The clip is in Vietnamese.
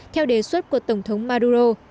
theo đề xuất của tổng thống maduro